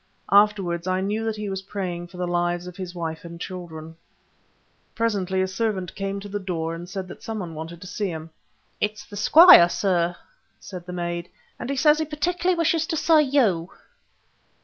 Afterwards I knew that he was praying for the lives of his wife and children. Presently a servant came to the door and said that some one wanted to see him. "It is the squire, sir," said the maid, "and he says he particularly wishes to see you."